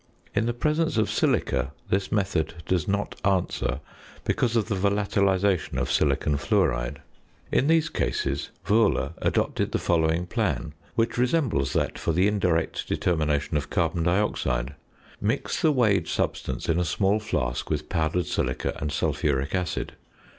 In the presence of silica this method does not answer, because of the volatilisation of silicon fluoride. In these cases Wöhler adopted the following plan, which resembles that for the indirect determination of carbon dioxide. Mix the weighed substance in a small flask with powdered silica and sulphuric acid.